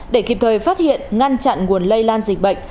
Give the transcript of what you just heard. để kịp thời phát hiện ngăn chặn nguồn lây lan dịch bệnh